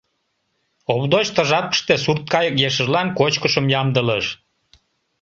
Овдоч ты жапыште сурт кайык ешыжлан кочкышым ямдылыш.